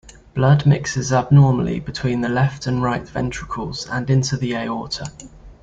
Blood mixes abnormally between the left and right ventricles and into the aorta.